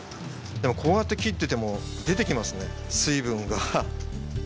でもこうやって切ってても出てきますね水分が。